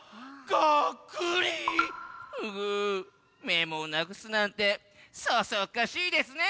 メモをなくすなんてそそっかしいですね！